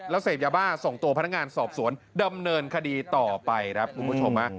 แล้วเสพยาบ้าส่งตัวพนักงานสอบสวนดำเนินคดีต่อไปครับคุณผู้ชม